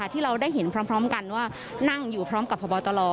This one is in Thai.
ที่เราได้เห็นพร้อมกันว่านั่งอยู่พร้อมกับพบตร